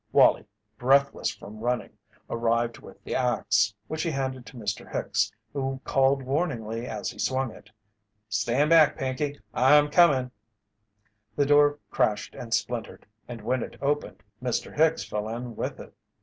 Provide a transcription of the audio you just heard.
Wallie, breathless from running, arrived with the axe, which he handed to Mr. Hicks, who called warningly as he swung it: "Stand back, Pinkey! I'm comin'!" The door crashed and splintered, and when it opened, Mr. Hicks fell in with it.